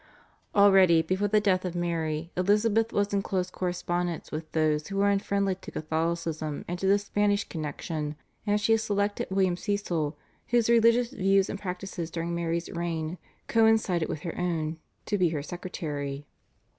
Already, before the death of Mary, Elizabeth was in close correspondence with those who were unfriendly to Catholicism and to the Spanish connexion, and she had selected William Cecil, whose religious views and practices during Mary's reign coincided with her own, to be her secretary.